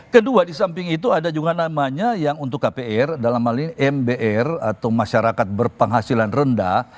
kedua di samping itu ada juga namanya yang untuk kpr dalam hal ini mbr atau masyarakat berpenghasilan rendah